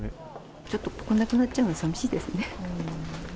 ちょっとここなくなっちゃうの、さみしいですね。